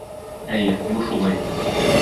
Әйе, бу шулай.